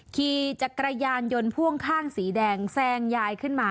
ขี่จักรยานยนต์พ่วงข้างสีแดงแซงยายขึ้นมา